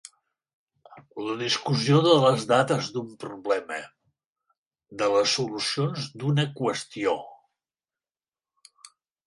La discussió de les dades d'un problema, de les solucions d'una qüestió.